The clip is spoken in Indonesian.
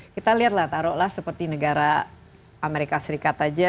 kita lihat lah taruh lah seperti negara amerika serikat aja